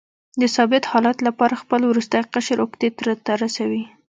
د ثابت حالت لپاره خپل وروستی قشر اوکتیت ته رسوي.